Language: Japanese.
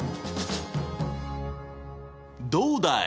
どうだい！